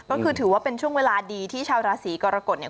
ก็คือถือว่าเป็นช่วงเวลาดีที่ชาวราศีกรกฎเนี่ย